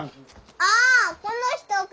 ああこの人か。